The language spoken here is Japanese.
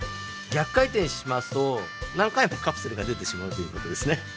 逆回転しますとなんかいもカプセルがでてしまうということですね。